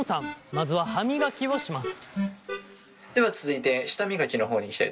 まずは歯磨きをします。